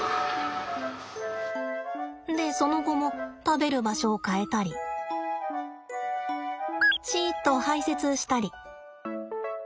でその後も食べる場所を変えたりシっと排せつしたり。